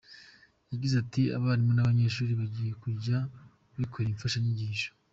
Yagize ati“Abarimu n’abanyeshuri bagiye kujya bikorera imfashanyigisho.